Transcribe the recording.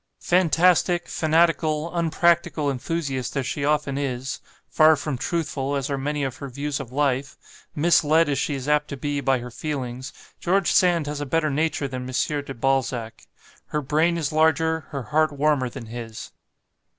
"Fantastic, fanatical, unpractical enthusiast as she often is far from truthful as are many of her views of life misled, as she is apt to be, by her feelings George Sand has a better nature than M. de Balzac; her brain is larger, her heart warmer than his.